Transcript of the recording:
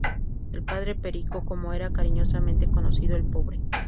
El "padre Perico", como era cariñosamente conocido el Pbro.